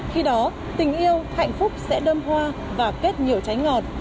khi đó tình yêu hạnh phúc sẽ đơm hoa và kết nhiều trái ngọt